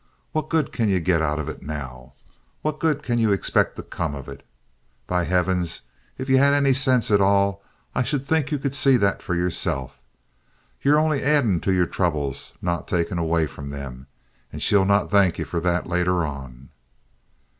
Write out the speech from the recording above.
What good can ye get out of it, now? What good can ye expect to come of it? Be hivins, if ye had any sinse at all I should think ye could see that for yerself. Ye're only addin' to your troubles, not takin' away from them—and she'll not thank ye for that later on."